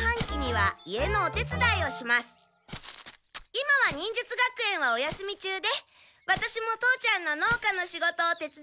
今は忍術学園はお休み中でワタシも父ちゃんの農家の仕事を手つだっています。